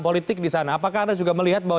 politik di sana apakah anda juga melihat bahwa